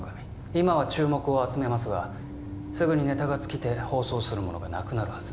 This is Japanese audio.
今は注目を集めますがすぐにネタが尽きて放送するものがなくなるはず